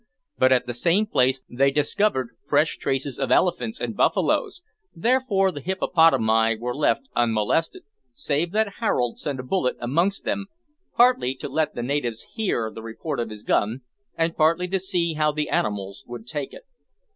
But at the same place they discovered fresh traces of elephants and buffaloes, therefore the hippopotami were left unmolested, save that Harold sent a bullet amongst them, partly to let the natives hear the report of his gun, and partly to see how the animals would take it.